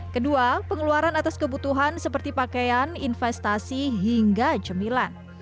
kedua pengeluaran atas kebutuhan seperti pakaian investasi hingga cemilan